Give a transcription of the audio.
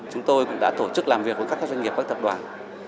chúng tôi cũng đã tổ chức làm việc với các doanh nghiệp các tập đoàn